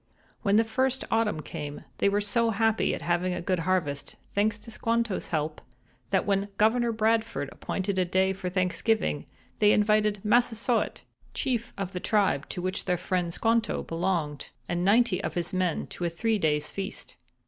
"When the first autumn came they were so happy at having a good harvest, thanks to Squanto's help, that when Governor Bradford appointed a day for Thanksgiving they invited Massasoit, chief of the tribe to which their friend Squanto belonged, and ninety of his men to a three days' feast.